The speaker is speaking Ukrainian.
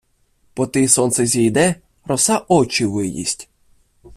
Потий сонце зійде — роса очи виїсть.